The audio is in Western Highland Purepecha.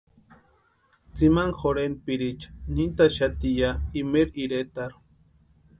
Tsimani jorhentpiriicha nintʼaxati ya imaeri iretarhu.